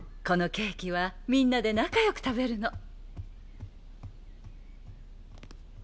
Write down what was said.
このケーキはみんなで仲よく食べるの。